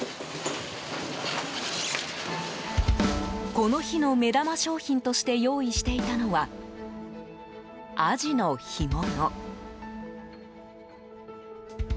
この日の目玉商品として用意していたのはアジの干物。